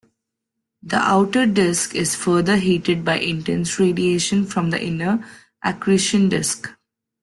The outer disk is further heated by intense radiation from the inner accretion disk.